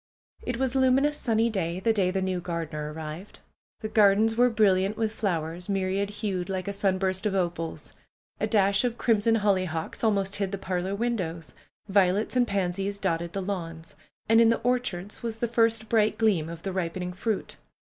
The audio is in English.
It was a luminous sunny day, the day the new gar dener arrived. The gardens were brilliant with flowers, myriad hued, like a sunburst of opals. A dash of crim son hollyhocks almost hid the parlor windows. Vio lets and pansies dotted the lawns. And in the orchards was the first bright gleam of the ripening fruit.